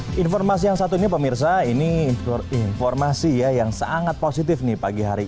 hai informasi yang satunya pemirsa ini implor informasi ya yang sangat positif nih pagi hari